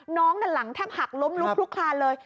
น้องนั่นหลังแทบหักล้มลุกคลานเลย